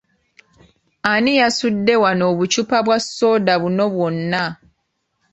Ani yasudde wano obuccupa bwa sooda buno bwonna?